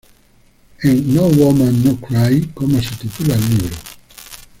En "No Woman, No Cry", como se titula el libro.